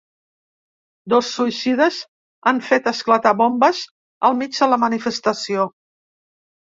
Dos suïcides han fet esclatar bombes al mig de la manifestació.